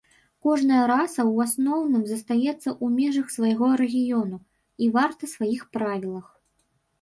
Кожная раса ў асноўным застаецца ў межах свайго рэгіёну і варта сваіх правілах.